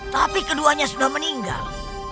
tapi keduanya sudah meninggal